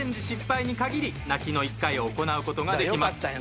失敗に限り泣きの１回を行う事ができます。